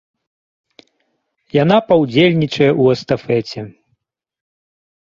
Яна паўдзельнічае ў эстафеце.